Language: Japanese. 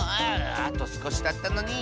あとすこしだったのに。